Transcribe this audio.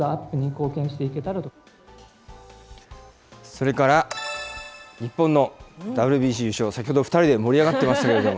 それから、日本のＷＢＣ優勝、先ほど２人で盛り上がってましたけれども。